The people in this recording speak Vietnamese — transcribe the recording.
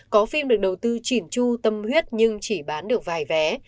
có phim được đầu tư chỉn chu tâm huyết nhưng chỉ bán được vài vé